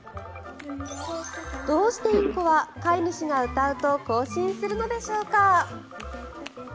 どうしてインコは飼い主が歌うと行進するのでしょうか。